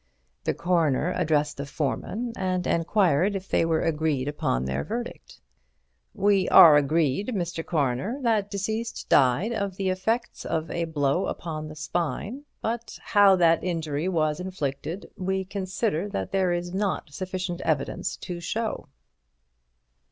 The Coroner addressed the foreman and enquired if they were agreed upon their verdict. "We are agreed, Mr. Coroner, that deceased died of the effects of a blow upon the spine, but how that injury was inflicted we consider that there is not sufficient evidence to show."